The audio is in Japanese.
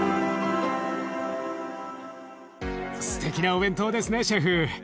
すてきなお弁当ですねシェフ。